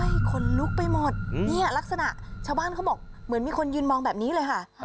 ใช่คนลุกไปหมดเนี่ยลักษณะชาวบ้านเขาบอกเหมือนมีคนยืนมองแบบนี้เลยค่ะ